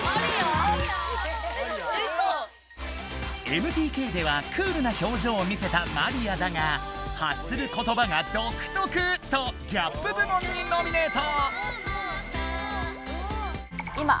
ＭＴＫではクールなひょうじょうを見せたマリアだがはっすることばが独特！とギャップ部門にノミネート。